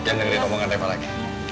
jangan dengerin omongan eva lagi